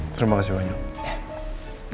terima kasih banyak